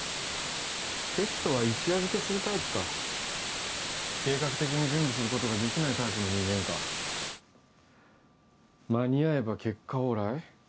テストは一夜漬けするタイプか計画的に準備することができないタイプの人間か間に合えば結果オーライ？